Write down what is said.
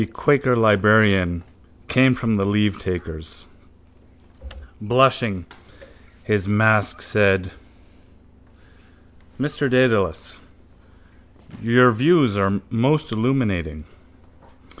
The quaker librarian came from the leavetakers. Blushing, his mask said: —Mr Dedalus, your views are most illuminating.